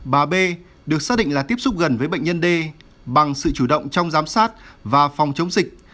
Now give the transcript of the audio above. bà b được xác định là tiếp xúc gần với bệnh nhân d bằng sự chủ động trong giám sát và phòng chống dịch